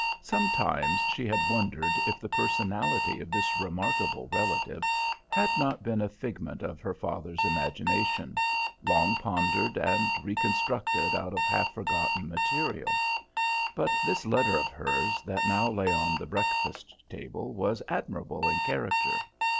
Sometimes she had wondered if the personality of this remarkable relative had not been a figment of her father's imagination, long pondered, and reconstructed out of half forgotten material. But this letter of hers that now lay on the breakfast table was admirable in character.